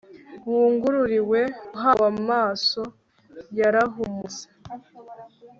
Wugururiwe uwawe Amaso yarahumutse